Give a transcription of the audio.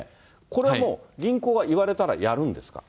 これはもう、銀行は言われたらやるんですか？